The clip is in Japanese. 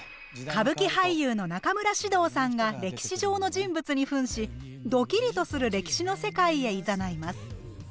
歌舞伎俳優の中村獅童さんが歴史上の人物にふんしドキリとする歴史の世界へいざないます。